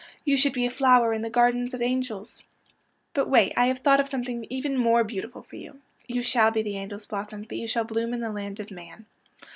You should be a flower in the gardens of the angels. '' But wait, I have thought of something even more beautiful for you. You shall be the angel's blossom, but you shall bloom in the land of man.